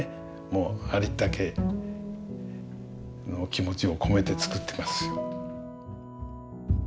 もうありったけの気持ちを込めて作ってます。